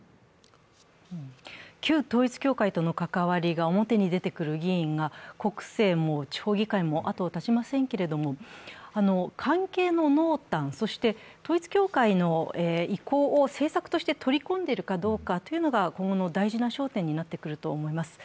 旧統一教会との関わりが表に出てくる議員が国政も地方議会も後を絶ちませんけれども、関係の濃淡、統一教会の意向を政策として取り込んでいるかどうかが今後の大事な焦点になってくると思います。